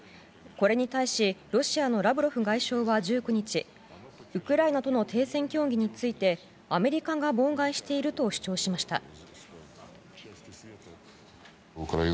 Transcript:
これに対しロシアのラブロフ外相は１９日ウクライナとの停戦協議についてアメリカが妨害していると主張しました。